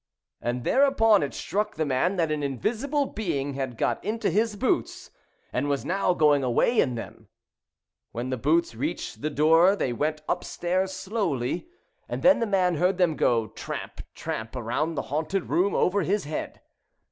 And there upon it struck the man that an invisible being had got into his boots, and was now going away in them. When the boots reached the door they went up stairs 141 The slowly, and then the man heard them go Celtic J U L Twilight, tramp, tramp round the haunted room over his head.